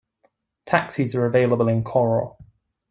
Taxis are available in Koror.